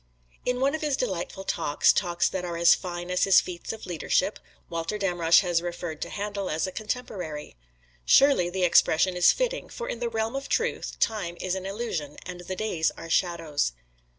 In one of his delightful talks talks that are as fine as his feats of leadership Walter Damrosch has referred to Handel as a contemporary. Surely the expression is fitting, for in the realm of truth time is an illusion and the days are shadows.